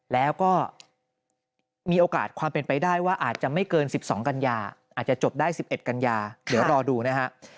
แล้วก็มีโอกาสความเป็นไปได้ว่าอาจจะไม่เกิน๑๒กันยาอาจจะจบได้๑๑กันยาเดี๋ยวรอดูนะฮะ